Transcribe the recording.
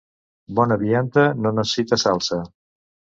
Bona vianda no necessita salsa.